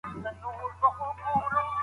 هغه هيڅکله څه نه وايي.